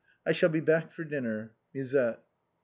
I shall be back for dinner. Musette."